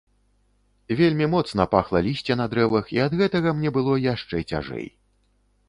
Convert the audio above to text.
Вельмі моцна пахла лісце на дрэвах, і ад гэтага мне было яшчэ цяжэй.